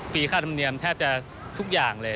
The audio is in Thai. ค่าธรรมเนียมแทบจะทุกอย่างเลย